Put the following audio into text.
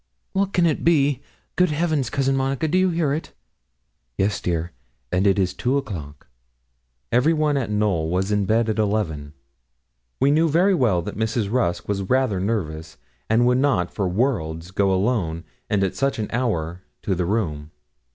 'What can it be? Good Heavens, Cousin Monica, do you hear it?' 'Yes, dear; and it is two o'clock.' Everyone at Knowl was in bed at eleven. We knew very well that Mrs. Rusk was rather nervous, and would not, for worlds, go alone, and at such an hour, to the room.